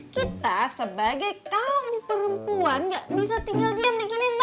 kita sebagai kawan perempuan nggak bisa tinggal diam diamin tante